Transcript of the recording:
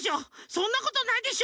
そんなことないでしょ？